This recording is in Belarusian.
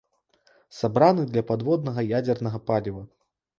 Сабраны для падводнага ядзернага паліва.